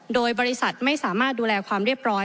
โดยบริษัทไม่สามารถดูแลความเรียบร้อย